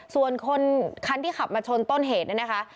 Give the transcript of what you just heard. ส่วนคนคันที่ขับมาชนต้นเหตุเนี่ยนะคะ